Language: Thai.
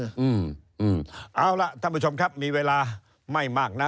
เอาล่ะท่านผู้ชมครับมีเวลาไม่มากนะ